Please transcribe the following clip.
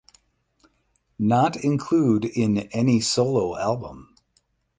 Not Include in Any Solo Album